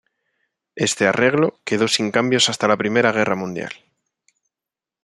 Este arreglo quedó sin cambios hasta la Primera Guerra Mundial.